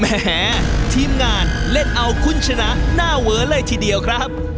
แหมทีมงานเล่นเอาคุณชนะหน้าเว้อเลยทีเดียวครับ